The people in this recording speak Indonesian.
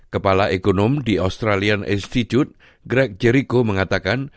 kepala ekonom di australian institute grack jericho mengatakan